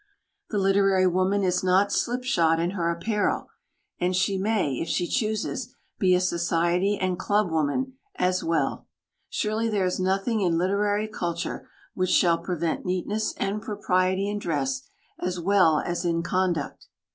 The literary woman is not slipshod in her apparel, and she may, if she chooses, be a society and club woman as well. Surely there is nothing in literary culture which shall prevent neatness and propriety in dress as well as in conduct.